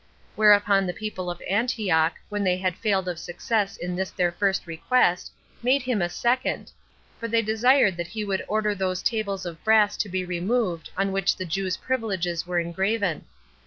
Whereupon the people of Antioch, when they had failed of success in this their first request, made him a second; for they desired that he would order those tables of brass to be removed on which the Jews' privileges were engraven.